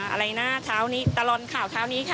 อะไรนะเช้านี้ตลอดข่าวเช้านี้ค่ะ